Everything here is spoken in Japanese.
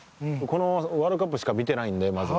このワールドカップしか見てないのでまず。